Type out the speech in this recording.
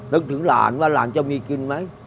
นึกถึงหลานว่าหลานจะมีกินไหม